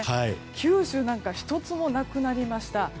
九州なんか１つもなくなりました。